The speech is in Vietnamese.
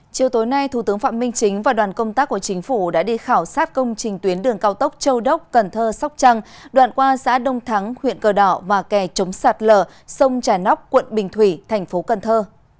chiều tối nay thủ tướng phạm minh chính và đoàn công tác của chính phủ đã đi khảo sát công trình tuyến đường cao tốc châu đốc cần thơ sóc trăng đoạn qua xã đông thắng huyện cờ đỏ và kè chống sạt lở sông trà nóc quận bình thủy thành phố cần thơ